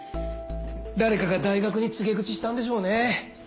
誰かが大学に告げ口したんでしょうね。